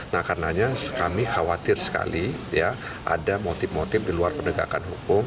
nah karenanya kami khawatir sekali ya ada motif motif di luar penegakan hukum